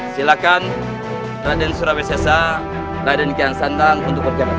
silakan raden surabaya sesa raden kean santang untuk bergerak